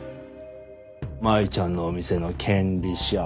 舞ちゃんのお店の権利書。